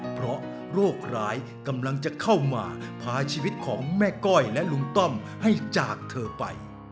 เพราะโรคร้ายกำลังจะเข้ามาพาชีวิตของแม่ก้อยและลุงต้อมให้จากเธอไป